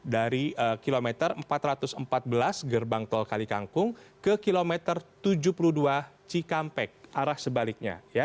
dari kilometer empat ratus empat belas gerbang tol kalikangkung ke kilometer tujuh puluh dua cikampek arah sebaliknya